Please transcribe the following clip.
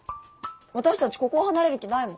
私たちここを離れる気ないもん。